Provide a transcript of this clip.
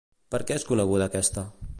Per què és coneguda aquesta?